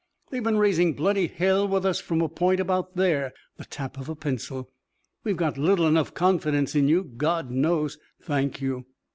"They've been raisin' bloody hell with us from a point about there." The tap of a pencil. "We've got little enough confidence in you, God knows " "Thank you."